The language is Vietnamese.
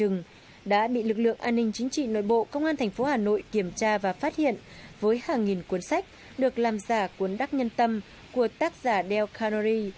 nội bộ công an tp hà nội kiểm tra và phát hiện với hàng nghìn cuốn sách được làm giả cuốn đắc nhân tâm của tác giả del canary